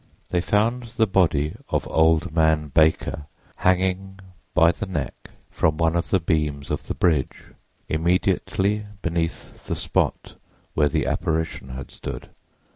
They found the body of old man Baker hanging by the neck from one of the beams of the bridge, immediately beneath the spot where the apparition had stood.